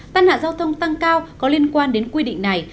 tàn hạ giao thông tăng cao có liên quan đến quy định này